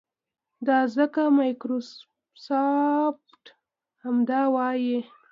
دا ځکه مایکروسافټ همدا وايي.